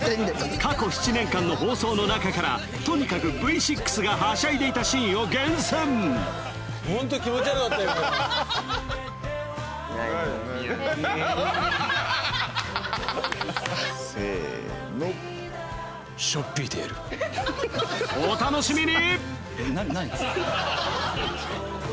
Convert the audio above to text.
過去７年間の放送の中からとにかくＶ６がはしゃいでいたシーンを厳選せのお楽しみに！